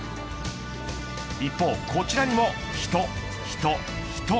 一方、こちらにも人、人、人。